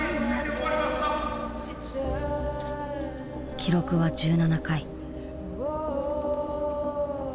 記録は１７回。